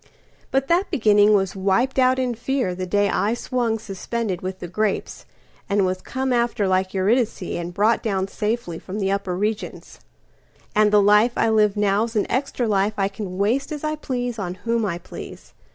But that beginning was wiped out in fearThe day I swung suspended with the grapes, And was come after like EurydiceAnd brought down safely from the upper regions; And the life I live now's an extra lifeI can waste as I please on whom I please.